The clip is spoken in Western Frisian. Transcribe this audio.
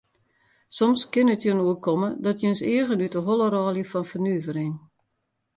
Soms kin it jin oerkomme dat jins eagen út de holle rôlje fan fernuvering.